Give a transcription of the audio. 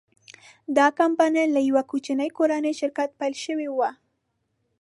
دا کمپنۍ له یوه کوچني کورني شرکت پیل شوې وه.